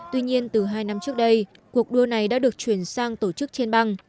tuy nhiên từ hai năm trước đây cuộc đua này đã được chuyển sang tổ chức trên băng